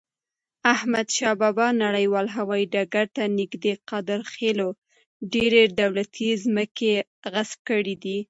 احمدشاه بابا نړیوال هوایی ډګر ته نږدې قادرخیلو ډیري دولتی مځکي غصب کړي دي.